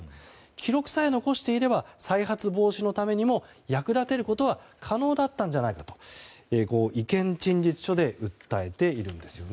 記録さえ残していれば再発防止のためにも役立てることは可能だったんじゃないかと意見陳述書で訴えているんです。